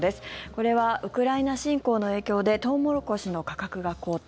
これは、ウクライナ侵攻の影響でトウモロコシの価格が高騰。